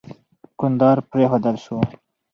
کندهار پرېښودل سو.